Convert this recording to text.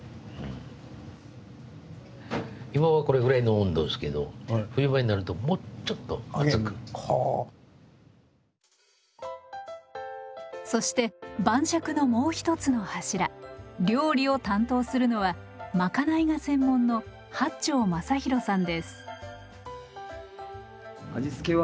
今はこれぐらいの温度ですけどそして晩酌のもう一つの柱料理を担当するのは賄いが専門の八町昌洋さんです。